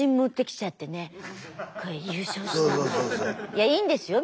いやいいんですよ